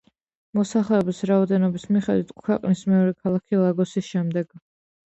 მოსახლეობის რაოდენობის მიხედვით ქვეყნის მეორე ქალაქი ლაგოსის შემდეგ.